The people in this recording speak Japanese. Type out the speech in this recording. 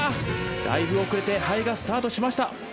だいぶ遅れてハエがスタートしました！